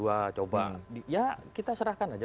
ya coba ya kita serahkan aja